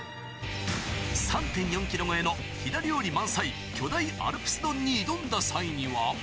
３．４キロ前の料理満載、巨大アルプス丼に挑んだ際には。